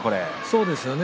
そうですね